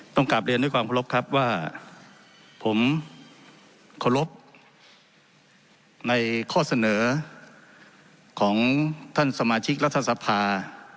ต้องกลับเรียนด้วยความขอลบครับว่าผมขอลบในข้อเสนอของท่านสมาชิกรัฐทรรภา